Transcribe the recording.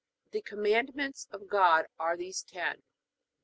The Commandments of God are these ten.